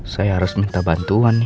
saya harus minta bantuan